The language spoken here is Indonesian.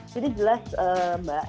jadi jelas mbak